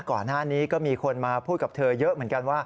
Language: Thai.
ก่อนหน้านี้ก็มีคนมาพูดกับเธอเยอะเหมือนกันว่า